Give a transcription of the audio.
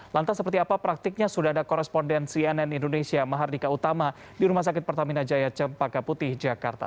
lantas seperti apa praktiknya sudah ada koresponden cnn indonesia mahardika utama di rumah sakit pertamina jaya cempaka putih jakarta